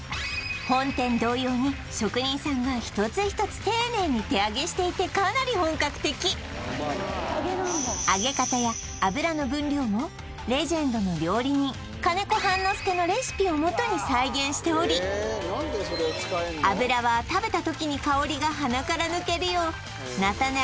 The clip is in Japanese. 本店同様に職人さんが一つ一つ丁寧に手揚げしていてかなり本格的揚げ方や油の分量もレジェンドの料理人金子半之助のレシピをもとに再現しており油は食べたときに香りが鼻から抜けるようなたね